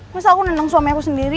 terus aku nendang suami aku sendiri